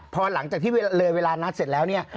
พอหลังจากที่เลยเวลานัดเสร็จแล้วเนี่ย